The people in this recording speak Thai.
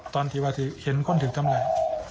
ตอนที่วาดเห็นข้นถึงทำไร